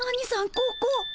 ここ。